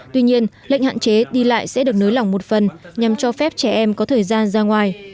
tuy nhiên lệnh hạn chế đi lại sẽ được nới lỏng một phần nhằm cho phép trẻ em có thời gian ra ngoài